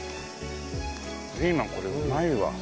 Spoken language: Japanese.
ピーマンこれうまいわ。